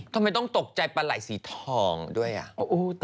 ทำไมต้องตกใจปลาไหล่สีทองด้วยอ่ะ